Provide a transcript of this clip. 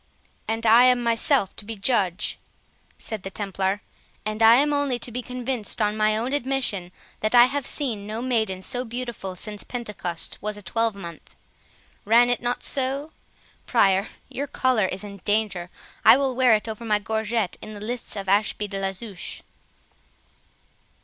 "And I am myself to be judge," said the Templar, "and am only to be convicted on my own admission, that I have seen no maiden so beautiful since Pentecost was a twelvemonth. Ran it not so?—Prior, your collar is in danger; I will wear it over my gorget in the lists of Ashby de la Zouche."